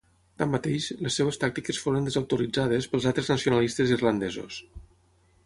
Tanmateix, les seves tàctiques foren desautoritzades pels altres nacionalistes irlandesos.